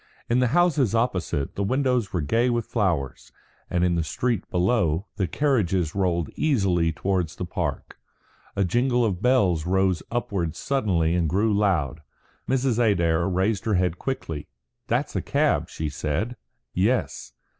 In the houses opposite, the windows were gay with flowers; and in the street below, the carriages rolled easily towards the Park. A jingle of bells rose upwards suddenly and grew loud. Mrs. Adair raised her head quickly. "That's a cab," she said. "Yes."